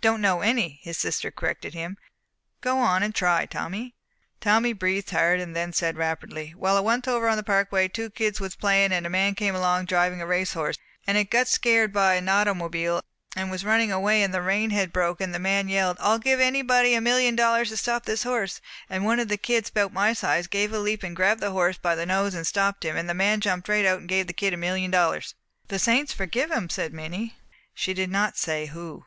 "Don't know any," his sister corrected him. "Go on and try, Tommy." Tommy breathed hard, then said rapidly: "Well, once over on the parkway two kids was playin', and a man came along drivin' a race horse, and it had got scared at a nautomobile, and was runnin' away, and the rein had broke, and the man he yelled, 'I'll give anybuddy a million dollars to stop this horse,' and one of the kids 'bout my size give a leap and grabbed the horse by the nose and stopped him. And the man jumped right out and give the kid a million dollars." "The saints forgive him!" said Minnie. She did not say who.